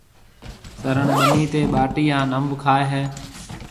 سروڻ ٻنِي تي ٻاٽِي هانَ انڀ کائي هيَ۔